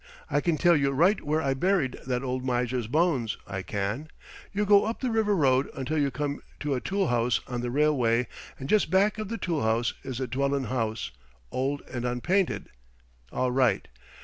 I can tell you right where I buried that old miser's bones, I can. You go up the river road until you come to a tool house on the railway, and just back of the tool house is a dwellin' house old and unpainted. All right!